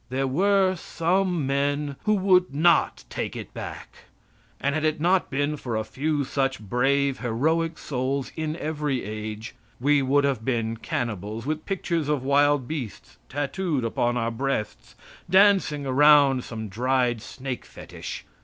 There were some men who would not take it back, and had it not been for a few such brave, heroic souls in every age we would have been cannibals, with pictures of wild beasts tattooed upon our breasts, dancing around some dried snake fetish.